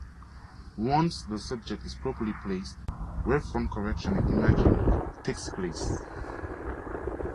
Once the subject is properly placed, wavefront correction and imaging takes place.